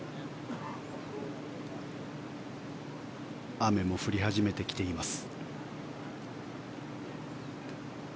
雨も降り始めてきています。